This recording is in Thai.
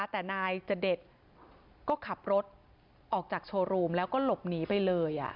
แต่นายจเดชก็ขับรถออกจากโชว์รูมแล้วก็หลบหนีไปเลย